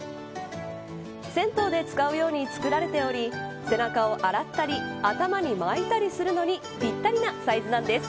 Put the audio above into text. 銭湯で使うように作られており背中を洗ったり頭に巻いたりするのにぴったりなサイズなんです。